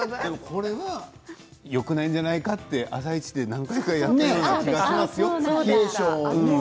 これがよくないんじゃないかって「あさイチ」で何回もやっていたような気がしますよ。